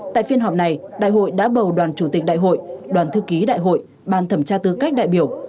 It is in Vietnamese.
tại phiên họp này đại hội đã bầu đoàn chủ tịch đại hội đoàn thư ký đại hội ban thẩm tra tư cách đại biểu